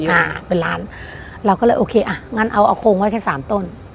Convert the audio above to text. อ่าเป็นล้านเราก็เลยโอเคอ่ะงั้นเอาเอาโครงไว้แค่สามต้น